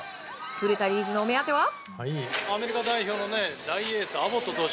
古田理事のお目当ては？